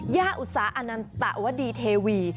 ย่าอุตสาอนันตะวดีเทวี